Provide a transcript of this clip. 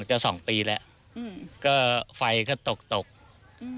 จะสองปีแล้วอืมก็ไฟก็ตกตกอืม